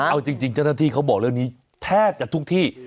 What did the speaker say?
เอาจริงเจ้าหน้าที่เขาบอกเรื่องนี้แทบจะทุกที่